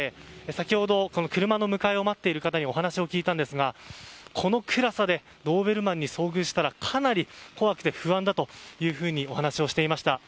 先ほど車の迎えを待っている方にお話を聞いたんですがこの暗さでドーベルマンに遭遇したらかなり怖くて不安だというふうにお話をしていました。